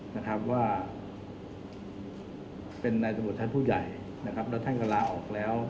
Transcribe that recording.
นะครับว่าเป็นนายตำรวจชั้นผู้ใหญ่นะครับแล้วท่านก็ลาออกแล้ว